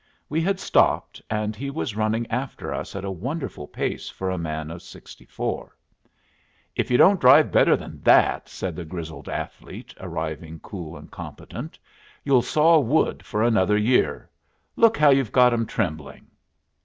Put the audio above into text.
We had stopped, and he was running after us at a wonderful pace for a man of sixty four. "If you don't drive better than that," said the grizzled athlete, arriving cool and competent, "you'll saw wood for another year. Look how you've got them trembling."